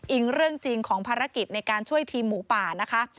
อีกเรื่องจริงของภารกิจในการช่วยทีมหมูป่านะคะ